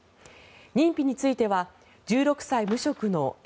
認否については１６歳無職のＡ